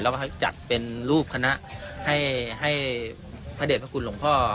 แล้วก็จัดเป็นรูปคณะให้พระเด็จพระคุณหลวงพ่อ